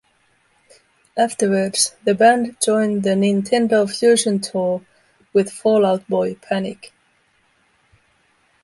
Afterwards, the band joined the Nintendo Fusion Tour with Fall Out Boy, Panic!